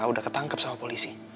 udah ketangkep sama polisi